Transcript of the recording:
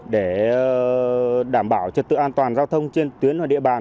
để đảm bảo trật tự an toàn giao thông trên tuyến và địa bàn